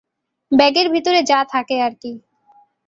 ব্যাগের ভেতরে যা থাকে আর কি।